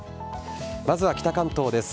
まずは北関東です。